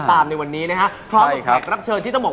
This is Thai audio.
สาว๒๐๐๐ปีคุณจิ๊กนวรรดิ